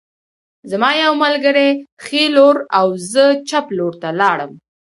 زما یو ملګری ښي لور او زه چپ لور ته لاړم